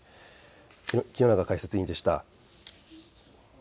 清永解説委員でした。